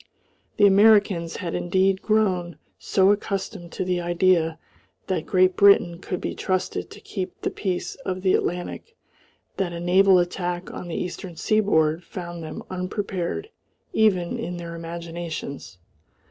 The Americans had indeed grown so accustomed to the idea that Great Britain could be trusted to keep the peace of the Atlantic that a naval attack on the eastern seaboard found them unprepared even in their imaginations.